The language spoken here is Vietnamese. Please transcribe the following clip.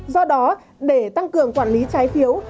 do đó để tăng cường quản lý trái phiếu